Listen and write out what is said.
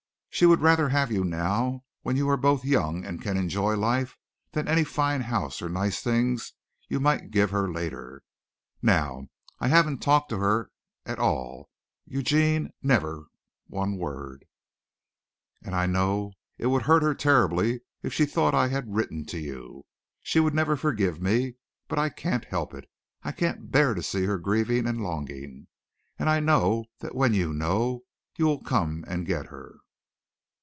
She would rather have you now when you are both young and can enjoy life than any fine house or nice things you might give her later. Now, I haven't talked to her at all, Eugene never one word and I know it would hurt her terribly if she thought I had written to you. She would never forgive me. But I can't help it. I can't bear to see her grieving and longing, and I know that when you know you will come and get her.